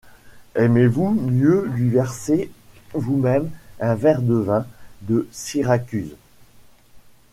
Aimez-vous mieux lui verser vous-même un verre de vin de Syracuse?